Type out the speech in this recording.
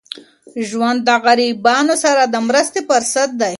ژوند د غریبانو سره د مرستې فرصت دی.